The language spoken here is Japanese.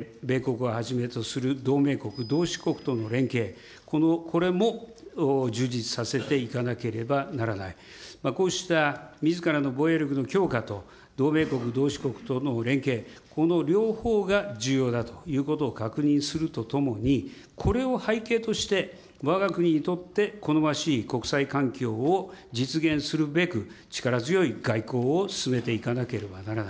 しかし、みずからの防衛力の強化と併せて、米国をはじめとする同盟国、同志国との連携、これも充実させていかなければならない。こうしたみずからの防衛力の強化と同盟国、同志国との連携、この両方が重要だということを確認するとともに、これを背景として、わが国にとって好ましい国際環境を実現するべく、力強い外交を進めていかなければならない。